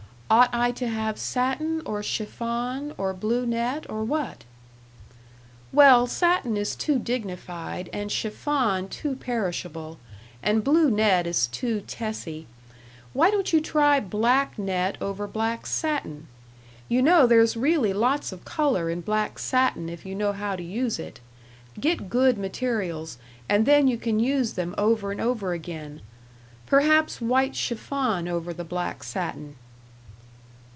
Ought I to have satin, or chiffon, or blue net, or what?" "Well, satin is too dignified, and chiffon too perishable, and blue net is too tessie. Why don't you try black net over black satin? You know there's really lots of color in black satin if you know how to use it. Get good materials, and then you can use them over and over again perhaps white chiffon over the black satin."